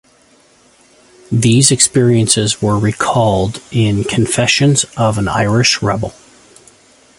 These experiences were recalled in Confessions of an Irish Rebel.